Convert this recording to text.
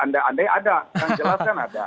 andai andai ada yang jelas kan ada